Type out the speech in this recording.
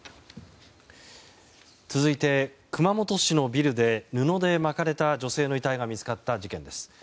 続いて、熊本市のビルで布で巻かれた女性の遺体が見つかった事件です。